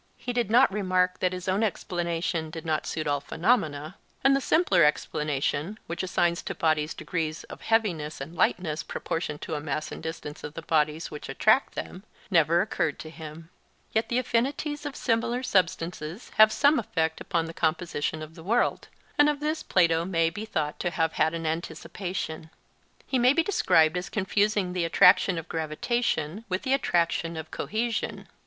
He did not remark that his own explanation did not suit all phenomena; and the simpler explanation, which assigns to bodies degrees of heaviness and lightness proportioned to the mass and distance of the bodies which attract them, never occurred to him. Yet the affinities of similar substances have some effect upon the composition of the world, and of this Plato may be thought to have had an anticipation. He may be described as confusing the attraction of gravitation with the attraction of cohesion.